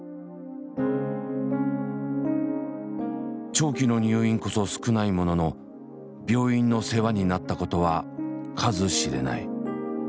長期の入院こそ少ないものの病院の世話になったことは数知れない。